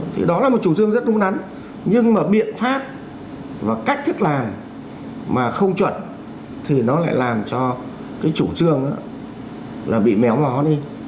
thì đó là một chủ trương rất đúng đắn nhưng mà biện pháp và cách thức làm mà không chuẩn thì nó lại làm cho cái chủ trương là bị méo mó đi